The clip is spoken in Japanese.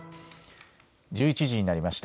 １１時になりました。